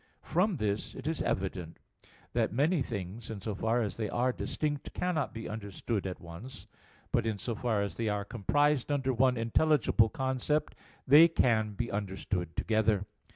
From this it is evident that many things, in so far as they are distinct, cannot be understood at once; but in so far as they are comprised under one intelligible concept, they can be understood together.